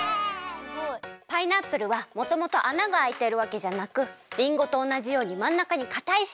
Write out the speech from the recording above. パイナップルはもともと穴があいているわけじゃなくりんごとおなじようにまんなかにかたいしんがあるの。